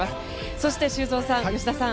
そして、修造さん、吉田さん